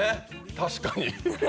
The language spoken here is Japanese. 確かに。